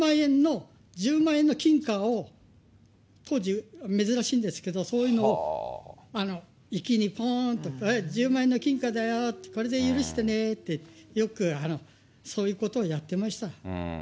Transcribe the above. １０万円の金貨を、当時、珍しいんですけど、そういうのを粋にぽんと、１０万円の金貨だよって、これで許してねって、よくそういうことをやってました。